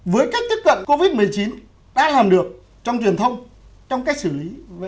với cách tiếp cận covid một mươi chín đã làm được trong truyền thông trong cách xử lý